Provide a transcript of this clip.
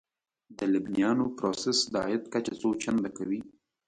د لبنیاتو پروسس د عاید کچه څو چنده کوي.